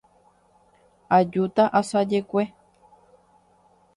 Ajúta asajekue.